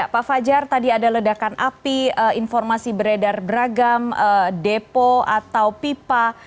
pak fajar tadi ada ledakan api informasi beredar beragam depo atau pipa